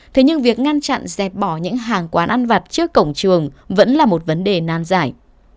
thế nhưng việc ngăn chặn dẹp bỏ những hàng quán ăn vặt trước cổng trường vẫn là một vấn đề nan giải